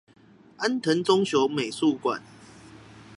安藤忠雄美術館